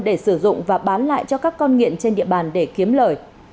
để sử dụng và bán lại cho các con nghiện trên địa bàn để kiếm lời